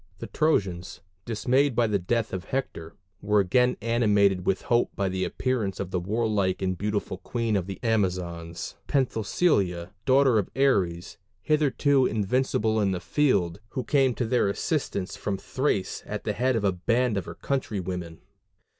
The Trojans, dismayed by the death of Hector, were again animated with hope by the appearance of the warlike and beautiful queen of the Amazons, Penthesilia, daughter of Ares, hitherto invincible in the field, who came to their assistance from Thrace at the head of a band of her country women.